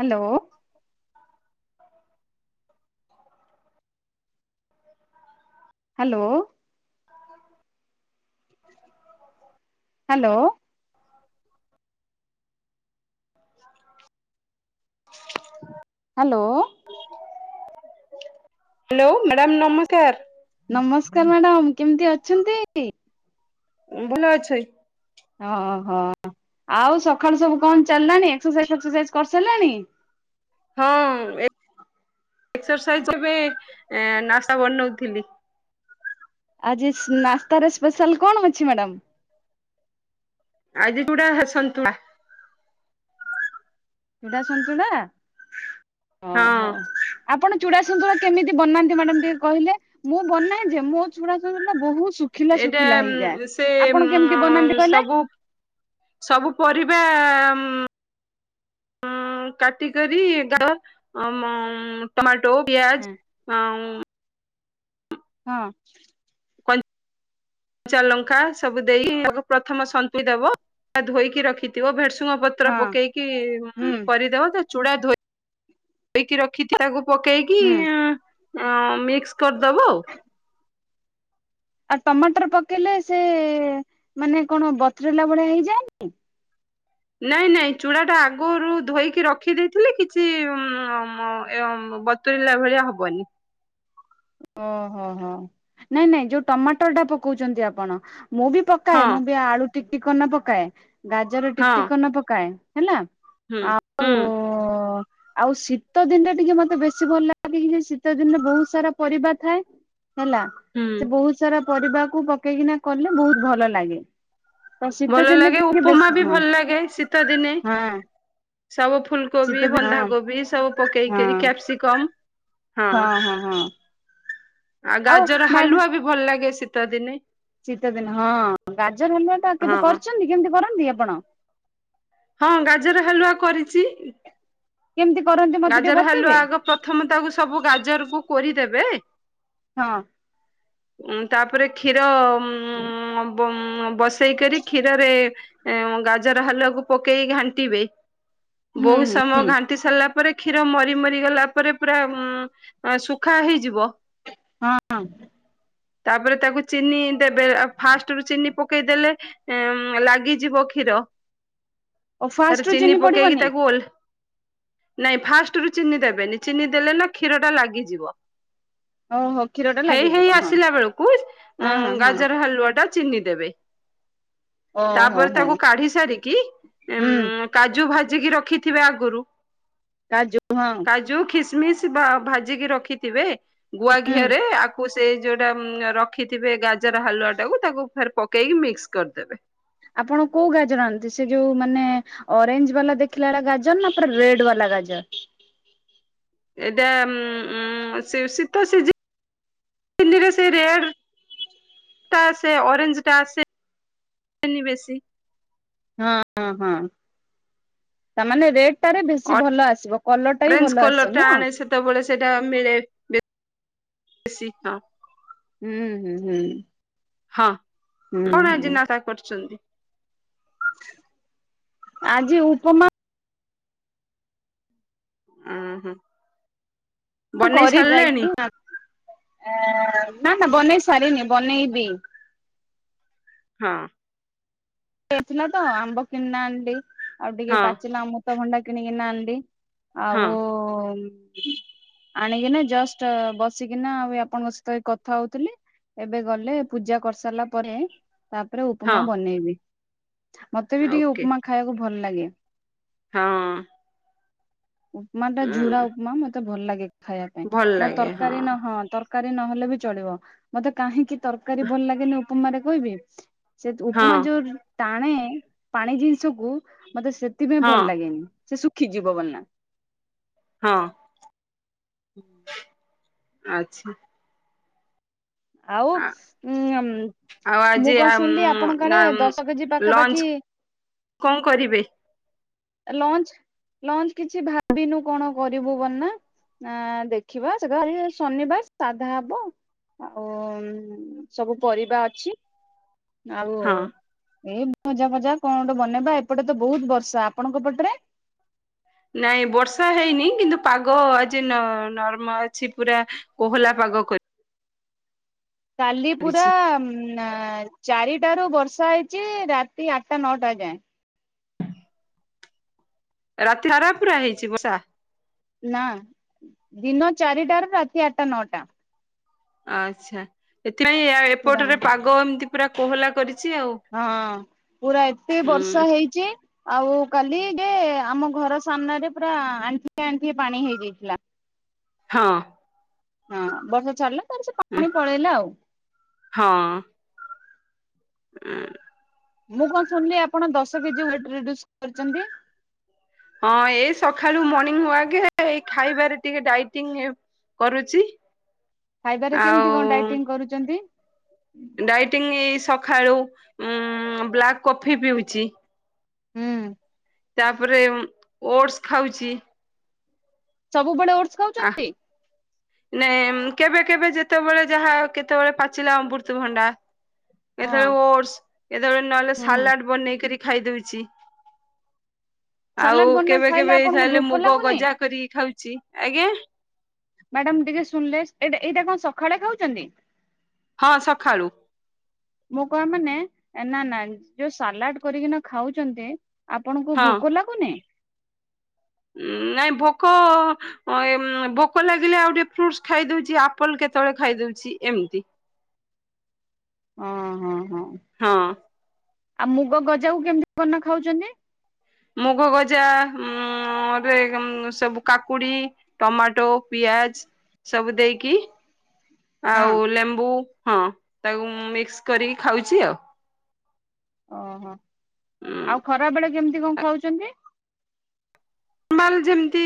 Hello. Hello. Hello. [inaudible] [inaudible] Hello. Hello madam ନମସ୍କାର। ନମସ୍କାର madam କେମିତି ଅଛନ୍ତି? ଉଁ ଭଲ ଅଛି। ଓହୋ ଆଉ ସକାଳୁ ସବୁ କଣ ଚାଲିଲାଣି ଏକ୍ସରସାଇଜ୍ ଫେକ୍ସରସାଇଜ୍ କରିସାରିଲାଣି? ହଁ ଏ ଏକ୍ସରସାଇଜ୍ ଏବେ ନାସ୍ତା ବନଉଥିଲି। ଆଜି ସ ନାସ୍ତାର ସ୍ପେଶାଲ୍ କଣ ଅଛି ମ୍ୟାଡ଼ାମ? ଆଜି ଚୁଡା ସନ୍ତୁଳା। ଚୁଡ଼ା ସନ୍ତୁଳା, ହଁ ଓହୋ। ଆପଣ ଚୁଡ଼ା ସୁନ୍ତୁଳା କେମିତି ବନାନ୍ତି ମ୍ୟାଡ଼ାମ୍ ଟିକେ କହିଲେ? ମୁଁ ବନାଏ ଯେ ମୋ ଚୁଡା ସନ୍ତୁଳା ବହୁତ୍ ସୁ ଏଇଟା ଉଁ ସେ ବନାନ୍ତି ଉଁ କହିଲେ? ସବୁ ସବୁ ପରିବା ଉଁ ଉମ କାଟିିକରି ଡା-ଳା ଅ ମ ଟମାଟୋ ହଁ ପିଆଜ୍ ଅଁ ଉମ ହଁ। କ-ଞ୍ଚା ଲଙ୍କା ସବୁ ଦେଇ ତାକୁ ପ୍ରଥମ ସନ୍ତୁଳି ଦବ। କା ଧୋଇିକି ରଖିଥିବ ଭେରସୁଙ୍ଗ ପ ତ୍ର ପକେଇକି ହୁଁ କରିଦବ ତା ଚୁଡା ଧୋଇ-ଧୋଇକି ରଖିଥିଅ ତାକୁ ପକେଇକି ହୁଁ। ଉମ ମିକ୍ସ କରିଦବ ଆଉ। ଆଉ ଟମାଟର ପକେଇଲେ ସେ ମାନେ କଣ ବତରିଲା ଭଳିଆ ହେଇଯାଏନି? ନାଇଁ ନାଇଁ ଚୂଡ଼ା ଟା ଆଗୁରୁ ଧୋଇକି ରଖି ଦେଇେଇଥିଲେ କିଛି ମ-ମ ଏ-ଅଁ-ବ ତୁରିଲା ଭଳିଆ ହବନି। ଓହୋ ହୋ ନାଇଁ ନାଇଁ ଯୋଉ ଟମାଟର ଟା ପକଉଚନ୍ତି ଆପଣ ମୁଁ ବି ପ ପକାଏ ହଁ ମୁଁ ବି ଆଳୁ ଟିକଟିକ କରନା ପକାଏ, ଗାଜର ହଁ ଟିକଟିକ କରନା ପକାଏ ହେଲା। ହୁଁ ଆଉ ହୁଁ। ଆଉ ଶୀତ ଦିନ ଟା ଟିକେ ମତେ ବେଶୀ ଭଲ ଲାଗେ କି ଯେ ଶୀତ ଦିନରେ ବହୁତ ସାରା ପରିବା ଥାଏ। ହେଲା ହୁଁ ସେ ବହୁତ ସାରା ପରିବାକୁ ପକେଇକିନା କଲେ ବହୁତ ଭଲ ଲାଗେ। ତ ଶୀତ ଭଲ ଦିନେ ଲାଗେ ଟିକେ ଉପମା ବେଶୀ ବି ହଁ ଭଲ ଲାଗେ ଶୀତ ଦିନେ। ହଁ ସବୁ ଫୁଲ କୋବି ଶୀତ ଦିନ ହଁ ବନ୍ଧାକୋବି ସବୁ ହଁ ପକେଇକିରି କ୍ୟାପସିକମ୍ ହଁ। ଆ ଆଉ ଗାଜର ହାଲୁଆ ବି ଭଲ ଲାଗେ ଶୀତ ଦିନେ। ଶୀତଦିନ ହଁ ଗାଜର ହାଲୁଆଟା ହଁ କେବେ କରିଚନ୍ତି କେମିତି କରନ୍ତି ଆପଣ? ହଁ ଗାଜର ହାଲୁଆ କରିଚି। କେମିତି କରନ୍ତି ମତେ ଟିକେ ବତେଇବେ? ପ୍ରଥମେ ତାକୁ ସବୁ ଗାଜରକୁୁ କରିଦେବେ ହଁ। ଉଁ ତାପରେ କ୍ଷୀର ଉଁ ବ-ବସେଇକରି କ୍ଷୀରରେ ଗାଜର ହାଲୁଆକୁ ପକେଇ ଘାଣ୍ଟିବେ। ହୁଁ ବହୁ ହୁଁ ସମୟ ହୁଁ ଘାଣ୍ଟି ସାରିଲା ପରେ କ୍ଷୀର ମରିମରି ଗଲାପରେ ପୁରା ମ ସୁଖ୍ ଖା ହେଇଯିବ। ହଁ। ତାପରେ ତାକୁ ଚିନି ଦେବେ ଆ ଫାଷ୍ଟରୁ ଚିନି ପକେଇଦଲେ ଏମ୍ ଲାଗିଯିବ କ୍ଷୀର। ଓ ତାର ଫାଷ୍ଟ ରୁ ଚିନି ପକେଇକି ପଡିବନି? ତାକୁ ଓହ୍ଲେ ନାଇଁ ଫାଷ୍ଟ ରୁ ଚିନି ଦେବେନି ଚିନି ଦେଲେ ନା କ୍ଷୀର ଟା ଲାଗିଯିବ। ଓହୋ କ୍ଷୀର ଟା ହେଇ ହେଇ ଲାଗିଯିବ ହଁ ଆସିଲା ବେଳକୁ ହଁ ହଁ ହଁ ଗାଜର ହାଲୁଆ ଟା ଚିନି ଦେବେ, ଓହୋ ତାପରେ ହୋ ତାକୁ କାଢି ସାରିକି ଏଁ ହୁଁ କାଜୁ ଭାଜିକି ରଖିଥିବେ ଆଗୁରୁ କାଜୁ ହଁ। ଯୋଉ ଖସମିସ୍ ବା-ଭାଜିକି ରଖିଥିବେ ହୁଁ ଗୁଆଘିଅରେ ଆକୁ ସେ ଯୋଉଟା ଉଁ ରଖିଥିବେ ଗାଜର ହାଲୁଆ ଟାକୁ ତାକୁ ଫେରେ ପକେଇକି ମିକ୍ସ କରିଦେବେ। ଆପଣ କୋଉ ଗାଜର ଆଣନ୍ତି ସେ ଯୋଉ ମାନେ ଅରେଞ୍ଜ ବାଲା ଦେଖିଲା ଭଳିଆ ଗାଜର ନା ପୁରା ରେଡ୍ ବାଲା ଗାଜର? ଏଟା ଉଁ ଉଁ ସେ ଶୀତ ସିଜିନ୍ ଜିନିରେ ସେ ରେଡ୍ ଟା ଆସେ ଅରେଞ୍ଜ ଟା ଆସେ -ନି ବେଶି। ହଁ ହଁ ହଁ ତାମାନେ ରେଡ୍ ଓଡ଼ିଶାରେ ବେଶୀ ଭଲ ଆସିବ କଲରଟା ବି ଅରେଞ୍ଜ ଭଲ କଲର ଆସିବ ଟା ନୁହଁ। ଆଣେ ସେତେବେଳେ ସେଇଟା ମିଳେ ବେଶୀ ହଁ। ହୁଁ ହୁଁ ହୁଁ। ହଁ ହୁଁ କଣ ହୁଁ ଆଜି ନାଟକ କରିଛନ୍ତି। ଆଜି ଉପମା ହଁ ହଁ। କରି ଯାଇଛି ନା ନା ବନେଇ ସାରିନି ବନେଇବି। ହଁ। ଥିଲା ତ ଆମ୍ବ କିଣିନାହାନ୍ତି ଆଉ ଟିକେ ହଁ ପାଚିଲା ଅମୃତ ଭଣ୍ଡା କିଣି କିନା ଆଣିଲି। ହଁ ଆଉ ଆଣିକିନା ଜଷ୍ଟ ବସିକିନା ଆଉ ଆପଣଙ୍କ ସହିତ କଥା ହଉଥିଲି। ଏବେ ଗଲେ ପୂଜା କରିସାରିଲା ପରେ ତାପରେ ହଁ। ଉପମା ବନେଇବି। ମତେ ବି ଟିକେ ଓକେ ଉପମା ଖାଇବାକୁ ଭଲ ଲାଗେ। ହଁ। ମାନେ ଟା ଝୁରା ଉଁ ଉପମା ମତେ ଭଲ ଲାଗେ ଖାଇବା ପାଇଁ ଭଲ ମୋର ଲାଗେ ତରକାରୀ ନ ହଁ ତର ତରକାରୀ ନହେଲେ ବି ଚଳିବ ମତେ କାହିଁକି ତରକାରୀ ଭଲ ଲାଗେନି ଉପମାରେ କହିବି? ସେ ହଁ ଉପମା ଯୋଉ ଟାଣେ ପାଣି ଜିନିଷକୁୁ ମତେ ସେଥିପାଇଁ ହଁ ଭଲ ଲାଗେନି। ସେ ଶୁଖିଯିବ ବୋଲି ନା। ହଁ ଆଛା। ଆଉ ଉ ଆଉ ଆଜି ଆ ଦଶ କେଜି ପାଖାପାଖି ଲଞ୍ଚ୍ କଣ କରିବେ? ଲଞ୍ଚ୍ ଲଞ୍ଚ୍ କିଛି ଭାବିନୁ କଣ କରିବୁ ବନା ଆଁ ଦେଖିବା ସେ ତ ଶନିବାର ସାଧା ହବ। ଆଉ ସବୁ ପରିବା ଅଛି। ଆଉ ହଁ ଏ ଭଜା ଫଜା କଣ ଗୋଟେ ବନେଇବା ଏପଟେ ତ ବହୁତ୍ ବର୍ଷା। ଆପଣଙ୍କ ପଟରେ? ନାଇଁ ବର୍ଷା ହେଇନି କିନ୍ତୁ ପାଗ ଆଜି ନ ନର୍ମ ଅଛି ପୁରା କୋହଲା ପାଗ କରି କାଲି ପୁରା କରିଛି ନା ଚାରି ଟାରୁ ବର୍ଷା ହେଇଛି ରାତି ଆଠ୍ ଟା ନଅଟା ଯାଏ। ରାତି ସାରା ପୁରା ହେଇଛି ବର୍ଷା? ନା ଦିନ ଚାରିଟାରେ ରାତି ଆଠ୍ ଟା ନଅଟା। ଆଛା ସେଥିପାଇଁ ପୁରା ଏପଟରେ ପାଗ ଏମିତି ପୁରା କୋହଲା କରିଛି ଆଉ। ହଁ ପୁରା ଏତେ ଉଁ ବର୍ଷା ହେଇଛି ଆଉ କାଲି ଯେ ଆମ ଘର ସାମ୍ନାରେ ପୁରା ଆଣ୍ଠି ଆଣ୍ଠିଏ ପାଣି ହେଇଯାଇଥିଲା। ହଁ। ହଁ ବର୍ଷା ଛାଡିଲା ତାର ସେ ଉଁ, ପାଣି ପଳେଇଲା ଆଉ। ହଁ। ଉଁ। ମୁଁ କଣ ଶୁଣିଲି ଆପଣ ଦଶ କେଜି ୱଟ୍ ରିଡିଉସ କରିଛନ୍ତି? ହଁ ଏଇ ସକାଳୁ ମର୍ଣିଂ ୱଗେ ଏଇ ଖାଇବାରେ ଟିକେ ଡାଇଟିଙ୍ଗ୍ କରୁଛି। ଖାଇବାରେ ଆଉ କେମିତି କଣ ଡାଇଟିଂ କରୁଛନ୍ତି? ଡାଇଟିଂ ଏଇ ସକାଳୁ ଉ ବ୍ଲାକ୍ କଫି ପିଉଛି। ହୁଁ। ତାପରେ ଓଡସ୍ ଖାଉଛି। ସବୁବେଳେ ଓଡ୍ ଆ ନାଇ କେବେ କେବେ ଯେତେବେଳେ ଯାହା କେତେବେଳେ ପାଚିଲା ଅମୃତଭଣ୍ଡା। ଏତେବେଳେ ଓଡସ୍ କେତେବେଳେ ନହେଲେ ହଁ ସାଲାଟ୍ ବନେଇକିରି ଖାଇଦଉଚି। ଆଉ ସାଲାଡ ବନା କେବେ ଖାଇଲେ କେବେ ଆପଣଙ୍କୁ ତାହେଲେ ଭୋକ ମୁଗ ଲାଗୁନି? ଗଜା କରି ଖାଉଛି ଆଜ୍ଞା? ମ୍ୟାଡାମ୍ ଟିକେ ଶୁଣିଲେ ଏଇଟା ଏଇଟା କଣ ସକାଳେ ଖାଉଛନ୍ତି? ହଁ ସକାଳୁ। ମୁଁ କଣ ମାନେ ନା ନା ଯୋଉ ସାଲାଟ୍ କରିକିନା ଖାଉଛନ୍ତି ଆପଣଙ୍କୁ ଭୋକ ଲାଗୁନି? ଉଁ ନାଇଁ ଭୋକ ଅ ଏ ଭୋକ ଲାଗିଲେ ଆଉ ଟିକେ ଫ୍ରୁଡ୍ସ ଖାଇଦଉଛି ଆପଲ୍ କେତେବେଳେ ଖାଇ ଦଉଛି ଏମିତି। ଓଁ ହଁ ହଁ। ହଁ। ଆଉ ମୁଗ ଗଜାକୁ କେମିତି କ ନା ଖାଉଛନ୍ତି? ମୁଗ ଗଜା ଉଁ ମତେ ସବୁ କାକୁଡି ଟମାଟୋ, ପିଆଜ୍ ସବୁ ଦେଇକି ହଁ ଆଉ ଲେମ୍ବୁ ହଁ ତାକୁ ମିକ୍ସ୍ କରିକି ଖାଉଛି ଆଉ। ଓହୋ ଆଉ ଖରା ବେଳେ କେମିତି କଣ ଖାଉଛନ୍ତି? ମାନ୍ ଯେମତି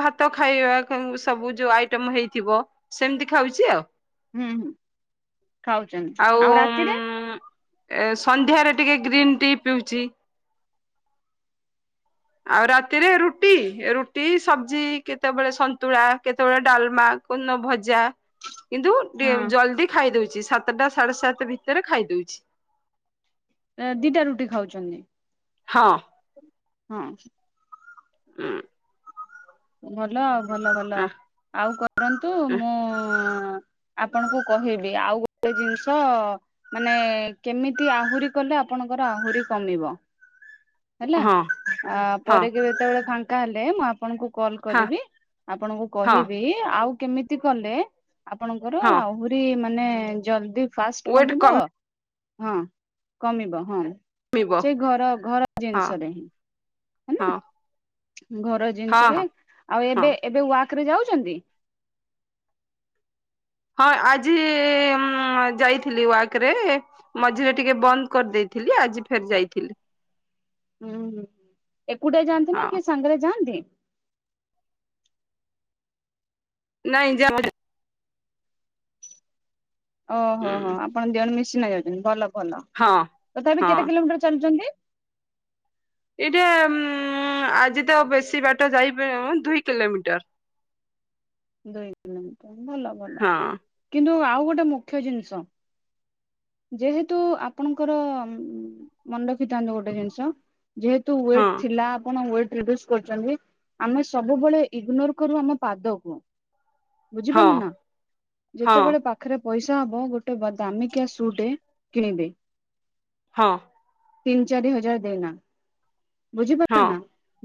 ଭାତ ଖାଇବା ସବୁ ଯୋଉ ଆଇଟମ ହେଇଥିବ। ସେମିତି ଖାଉଛି ଆଉ। ହୁଁ ହୁଁ ଖାଉଛନ୍ତି, ଆଉ ରାତିରେ? ଏ ସନ୍ଧ୍ୟାରେ ଟିକେ ଗ୍ରୀନ୍ ଟି ପିଉଚି। ଆଉ ରାତିରେ ରୁଟି ରୁଟି ସବଜି କେତେବେଳେ ସନ୍ତୁଳା କେତେବେଳେ ଡାଲମା। କୋ ଦିନ ଭଜା କିନ୍ତୁ ଦି ହଁ ଜଲଦି ଖାଇ ଦଉଛି ସାତଟା ସାଢେ ସାତ ଭିତରେ ଖାଇ ଦଉଛି। ଏ ଦିଟା ରୁଟି ଖାଉଛନ୍ତି। ହଁ। ହଁ। ଉଁ। ଭଲ ଆଉ ଭଲ ଭଲ ହଁ ଆଉ କରନ୍ତୁ ମୁଁ ଆପଣଙ୍କୁ କହିବି ଆଉ ଗୋଟେ ଜିନିଷ ମାନେ କେମିତି ଆହୁରି କଲେ ଆପଣଙ୍କର ଆହୁରି କମିବ। ହେଲା ହଁ ଆ ହଁ ପରେ କେ ଯେତେବେଳେ ଫାଙ୍କା ହେଲେ ମୁଁ ଆପଣଙ୍କୁ କଲ କରିବି ଆପଣଙ୍କୁ ହଁ କହିବି ଆଉ କେମିତି କଲେ ଆପଣଙ୍କର ହଁ ଆହୁ ରି ମାନେ ଜଲଦି ଫାଷ୍ଟ ୱେଟ କମିବ ହଁ କମିବ ହଁ। କମିବ ସେଇ ଘର ଘର ହଁ ଜିନିଷରେ ହିଁ। ହଁ। ହେଲା ଘର ହଁ ଜିନିଷରେ ହଁ ଆଉ ହଁ ଏବେ ଏବେ ୱାକ ରେ ଯାଉଛନ୍ତି। ହଁ ଆଜି ଉଁ ଯାଇଥିଲି ୱାକ ରେ ମଝିରେ ଟିକେ ବନ୍ଦ କରିଦେଇଥିଲି ଆଜି ଫେର ଯାଇଥିଲି। ଉଁ ହୁଁ ଏକୁଟଆ ଯାଆନ୍ତି ନା ହଁ କିଏ ସାଙ୍ଗରେ ଯାଆନ୍ତି? ନାଇଁ ଯାଉ [unintelligible] ଓହୋ ହୋ ହୋ ଆପଣ ଦି ଜଣ ମିଶିନା ଯାଉଛନ୍ତି ଭଲ ଭଲ ହଁ ତଥାପି ହଁ କେତେ କିଲୋମିଟର ଚାଲୁଛନ୍ତି? ଏଇଟା ଉଁ ଆଜି ତ ବେଶୀ ବାଟ ଯାଇପାଇଁ ଦୁଇ କିଲୋମିଟର। ଦୁଇ ମିନଟ ଭଲ ଭଲ। ହଁ କିନ୍ତୁ ଆଉ ଗୋଟେ ମୁଖ୍ୟ ଜିନିଷ। ଯେହେତୁ ଆପଣଙ୍କର ମନେ ରଖିଥାନ୍ତୁ ଗୋଟେ ଜିନିଷ ଯେହେତୁ ହଁ ୱେଟ ଥିଲା ଆପଣ ୱେଟ ପ୍ରିଭିଅସ କରୁଛନ୍ତି। ଆମେ ସବୁବେଳେ ଇଗ୍ନୋର କରୁ ଆମ ପାଦକୁ। ହଁ ବୁଝିପାରିଲେ ନା ହଁ ଯେତେବେଳେ ପା ପାଖରେ ପଇସା ହବ ଗୋଟେ ଦାମିକିଆ ସୁ ଟେ କିଣିବେ? ହଁ। ତିନି ଚାରି ହଜାର ଦେଇନା। ବୁଝିପାରିଲେ ହଁ ନା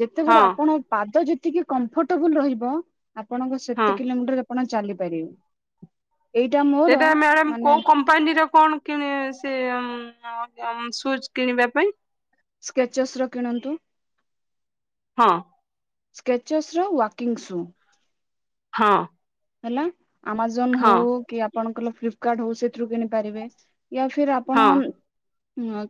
ଯେତେବେଳେ ହଁ ଆପଣ ପାଦ ଯେତିକି କମ୍ଫର୍ଟେବୁଲ ରହିବ ଆପଣ ହଁ କେତେ କିଲୋମିଟର ଆପଣ ଚାଲିପାରିବେ ଏଇଟା ମୋର ସେଇଟା ମ୍ୟାଡାମ ମାନେ କୋଉ କମ୍ପାନୀର କଣ କିଣ ସେ ସୁଜ୍ କିଣିବା ପାଇଁ। ସ୍କେଚେସ ର କିଣନ୍ତୁ। ହଁ। ସ୍କେଚେସ ର ୱାକିଂ ସୁ। ହଁ। ହେଲା ଆମାଜନ ହଉ ହଁ କି ଆପଣଙ୍କର ଫ୍ଲିପକାର୍ଟ ହଉ ସେଥିରୁ କିଣିପାରିବେ ୟା ଫିର୍ ଆପଣ ହଁ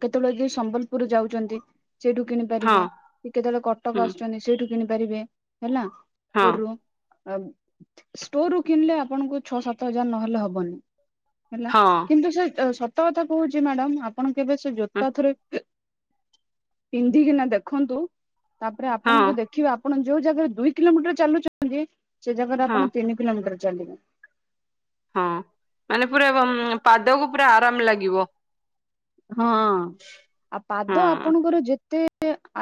କେତେବେଳେ ଯଦି ସମ୍ବଲପୁର ଯାଉଚନ୍ତି। ସେଇଠୁ କିଣି ହଁ ପାରିବେ କେତେବେଳେ ହୁଁ କଟକ ଆସୁଛନ୍ତି ସେଇଠୁ କିଣି ପାରିବେ ହେଲା। ହଁ କରୁ ଆ ଷ୍ଟୋର ରୁ କିଣିଲେ ଆପଣଙ୍କୁ ଛଅ ସାତ ହଜାର ନହେଲେ ହବନି ହେଲା ହଁ କିନ୍ତୁ ସେ ସତ କଥା କହୁଛି ମ୍ୟାଡାମ ଆପଣ କେବେ ସେ ଜୋତା ଥରେ ପିନ୍ଧିକିନା ଦେଖନ୍ତୁ ତାପରେ ହଁ ଆପଣଙ୍କୁ ଦେଖ ଦେଖିବା ଆପଣ ଯୋଉ ଜାଗାରେ ଦୁଇ କିଲୋମିଟର ଚାଲୁଛନ୍ତି ସେ ଜାଗାରେ ହଁ ଆପଣ ତିନି କିଲୋମିଟର ଚାଲିବେ। ହଁ ମାନେ ପୁରା ପାଦକୁ ପୁରା ଆରାମ ଲାଗିବ। ହଁ ଆ ପାଦ ହଁ ଆପଣଙ୍କର ଯେତେ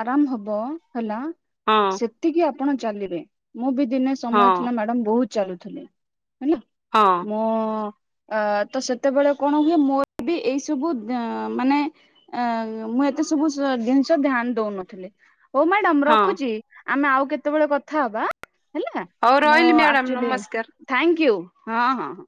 ଆରାମ ହବ ହେଲା। ହଁ ସେତିକି ଆପଣ ଚାଲିବେ ମୁଁ ବି ଦିନେ ହଁ ସମୟ ଥିଲା ମ୍ୟାଡମ ବହୁ ଚାଲୁଥିଲି ହେଲା। ହଁ। ମୁଁ ତ ସେତେବେଳେ କଣ ହୁଏ ମୋର ବି ଏଇ ସବୁ ମାନେ ଏଁ ମୁଁ ଏତେ ସବୁ ଜିନିଷ ଧ୍ୟାନ ଦଉନଥିଲି। ହଉ ମ୍ୟାଡାମ ହଁ ରଖୁଚି, ଆମେ ଆଉ କେତେବେଳେ କଥା ହବା ହେଲା। ହଉ ମୁଁ ରହିଲି ମ୍ୟାଡାମ ଆକଚୁଲି ନମସ୍କାର। ଥାଙ୍କ ୟୁ ହଁ, ହଁ, ହଁ।